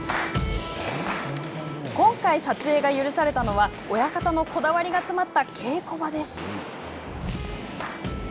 今回撮影が許されたのは親方のこだわりが詰まった稽古場です。